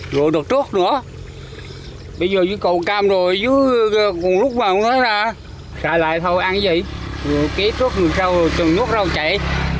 rồi đợt trước nữa bây giờ dưới cầu cam rồi dưới lúc mà nó ra xả lại thôi ăn cái gì kế trước rồi sau chừng nước rau chảy